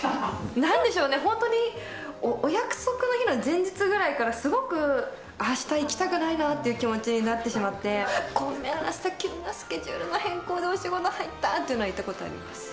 なんでしょうね、本当にお約束の日の前日ぐらいからすごくあした行きたくないなって気持ちになってしまって、ごめん、急なスケジュールの変更で、お仕事入ったっていうのは言ったことあります。